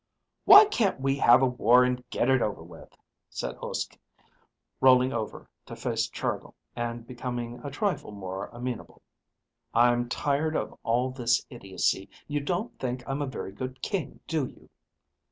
"Why can't we have a war and get it over with?" said Uske, rolling over to face Chargill and becoming a trifle more amenable. "I'm tired of all this idiocy. You don't think I'm a very good king, do you?"